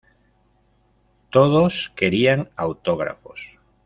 Todos querían autógrafos.